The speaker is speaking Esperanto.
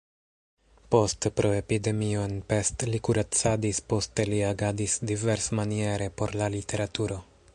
Poste pro epidemio en Pest li kuracadis, poste li agadis diversmaniere por la literaturo.